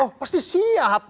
oh pasti siap